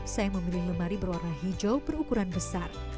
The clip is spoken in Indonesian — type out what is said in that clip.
saya memilih lemari berwarna hijau berukuran besar